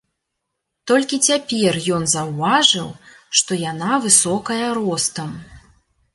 Толькі цяпер ён заўважыў, што яна высокая ростам.